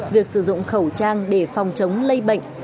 việc sử dụng khẩu trang để phòng chống lây bệnh